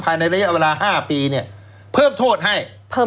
ภายในระยะเวลา๕ปีเพิ่มโทษให้๑ใน๓